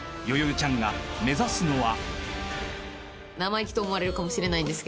ちゃんが目指すのは］